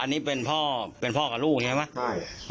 อันนี้เป็นพ่อเป็นพ่อกับลูกใช่ไหม